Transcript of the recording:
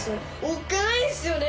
おっかないですよね